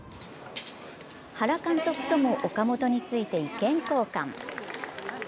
原監督とも岡本について意見交換。